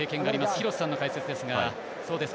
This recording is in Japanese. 廣瀬さんの解説です。